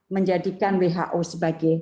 menjadikan who sebagai